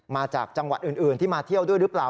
มาจากจังหวัดอื่นที่มาเที่ยวด้วยหรือเปล่า